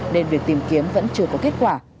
nên việc tìm kiếm vẫn chưa có kết quả